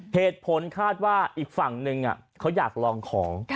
เหตุผลคาดว่าอีกฝั่งนึงเขาอยากลองของ